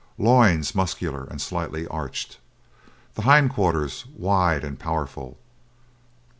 Loins muscular and slightly arched. The hind quarters wide and powerful.